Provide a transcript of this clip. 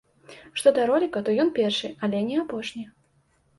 Што да роліка, то ён першы, але не апошні.